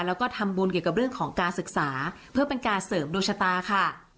แล้วก็ทำบุญเกี่ยวกับเรื่องของการศึกษาเพื่อเป็นการเสริมดวงชะตาค่ะ